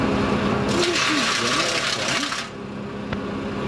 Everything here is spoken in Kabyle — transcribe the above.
Iwacu ur yeggan ara Tom?